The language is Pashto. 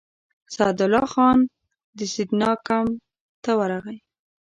سعدالله خان سیندیا کمپ ته ورغی.